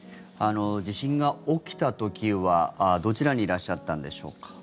地震が起きた時はどちらにいらっしゃったんでしょうか？